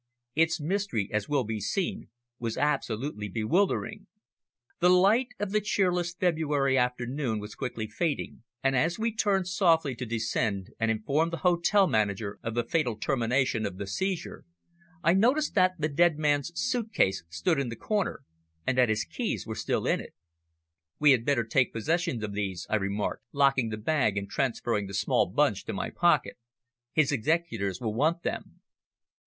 Its mystery, as will be seen, was absolutely bewildering. The light of the cheerless February afternoon was quickly fading, and as we turned softly to descend and inform the hotel manager of the fatal termination of the seizure, I noticed that the dead man's suit case stood in the corner, and that his keys were still in it. "We had better take possession of these," I remarked, locking the bag and transferring the small bunch to my pocket. "His executors will want them."